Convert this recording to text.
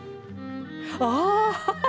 ああ！